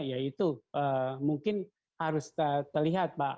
ya itu mungkin harus terlihat pak